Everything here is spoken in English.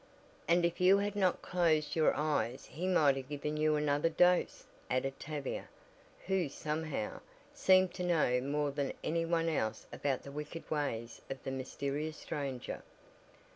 "And if you had not closed your eyes he might have given you another dose," added Tavia, who somehow, seemed to know more than any one else about the wicked ways of the mysterious stranger.